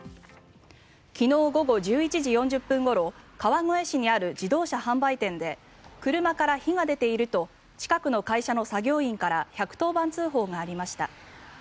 昨日午後１１時４０分ごろ川越市にある自動車販売店で車から火が出ていると近くの会社の作業員から１１０番通報がありました。